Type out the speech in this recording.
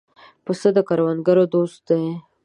پسه د کروندګرو دوست دی.